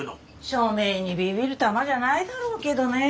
署名にビビるタマじゃないだろうけどね。